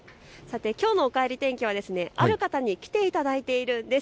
きょうのおかえり天気はある方に来ていただいているんです。